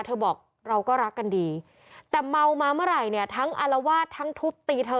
บอกเราก็รักกันดีแต่เมามาเมื่อไหร่เนี่ยทั้งอารวาสทั้งทุบตีเธอ